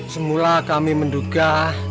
semula kami menduga